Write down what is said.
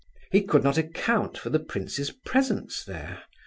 He could not account for the prince's presence there.